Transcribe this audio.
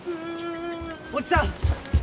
おじさん！